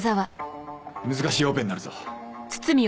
難しいオペになるぞ。